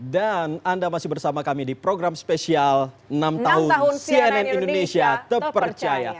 dan anda masih bersama kami di program spesial enam tahun cnn indonesia tepercaya